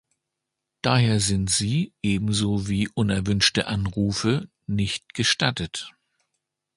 Daher sind sie, ebenso wie unerwünschte Anrufe, nicht gestattet.